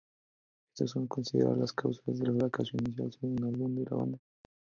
Estas son consideradas las causas del fracaso inicial del segundo álbum de la banda.